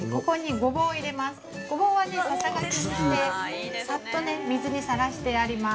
ごぼうは、ささがきにしてさっと水にさらしてあります。